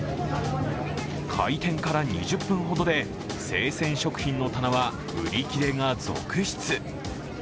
開店から２０分ほどで生鮮食品の棚は売り切れが続出。